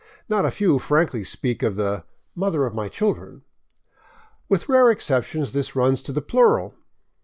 Not a few frankly speak of " the mother of my children." With rare exceptions this runs to the plural.